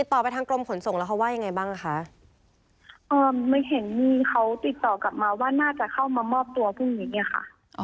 ต่อไปทางกรมขนส่งแล้วเขาว่ายังไงบ้างคะเอ่อไม่เห็นมีเขาติดต่อกลับมาว่าน่าจะเข้ามามอบตัวพรุ่งนี้อ่ะค่ะ